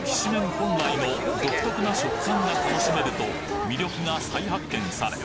本来の独特な食感が楽しめると魅力が再発見され